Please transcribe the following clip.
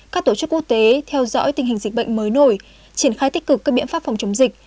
các tổ chức quốc tế theo dõi tình hình dịch bệnh mới nổi triển khai tích cực các biện pháp phòng chống dịch